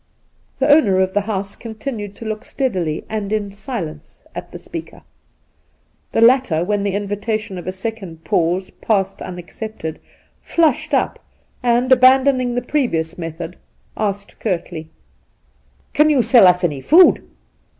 The owner of the house continued to look steadily and in silence at the speaker. The latter, when the invitation of a second pause passed unac cepted, flushed up and, abandoning the previous method, asked curtly :' Can you sell us any food